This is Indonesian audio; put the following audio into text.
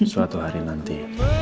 suatu hari nanti